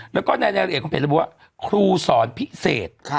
แล้วก็ในรายละเอียดของเพจระบุว่าครูสอนพิเศษ